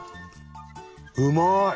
うまい！